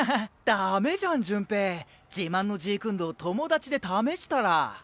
ダメじゃん潤平自慢のジークンドー友達で試したら。